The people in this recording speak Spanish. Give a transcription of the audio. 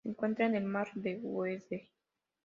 Se encuentra en el Mar de Weddell.